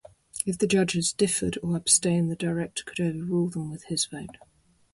If the judges differed or abstained, the director could overrule them with his vote.